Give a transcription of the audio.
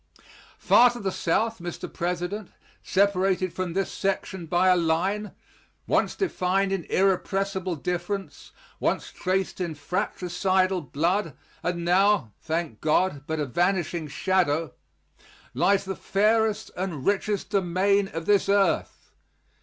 Far to the South, Mr. President, separated from this section by a line once defined in irrepressible difference, once traced in fratricidal blood, and now, thank God, but a vanishing shadow lies the fairest and richest domain of this earth.